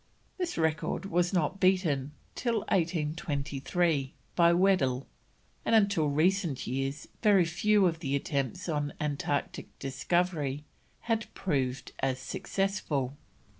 This record was not beaten till 1823, by Weddell, and until recent years very few of the attempts on Antarctic discovery had proved as successful.